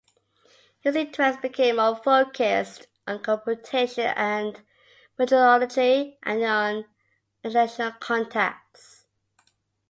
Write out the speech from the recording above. His interests became more focussed, on computation and metrology, and on international contacts.